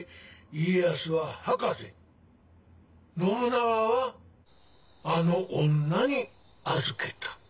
家康は博士に信長はあの女に預けた。